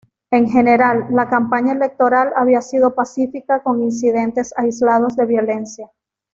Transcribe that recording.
En general, la campaña electoral había sido pacífica con incidentes aislados de violencia.